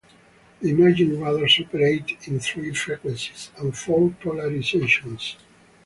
The imaging radars operated in three frequencies and four polarizations.